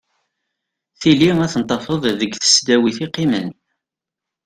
Tili ad ten-tafeḍ deg tesdawit i qqimen.